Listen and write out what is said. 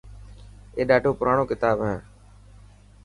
اي ڏاڌو پراڻو ڪتاب هي.